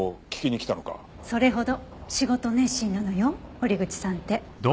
それほど仕事熱心なのよ堀口さんって。